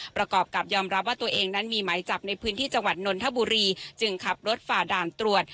ประกอบกับยอมรับว่าตัวเองนั้นมีหมายจับในพื้นที่จังหวัดนนทบุรีจึงขับรถฝ่าด่านตรวจ